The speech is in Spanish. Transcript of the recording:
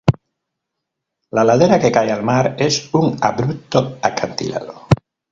La ladera que cae al mar es un abrupto acantilado.